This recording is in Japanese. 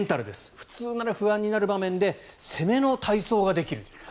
普通なら不安になる場面で攻めの体操ができる。